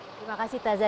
terima kasih taza